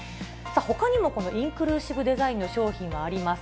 ほかにも、このインクルーシブデザインの商品はあります。